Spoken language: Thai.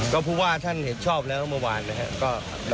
ก็ผู้ว่าท่านเห็นชอบแล้วเมื่อวานนะครับ